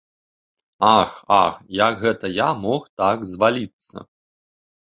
Ах, ах, як гэта я мог так зваліцца!